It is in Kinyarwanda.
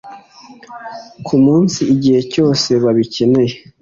ku munsi, igihe cyose babikeneye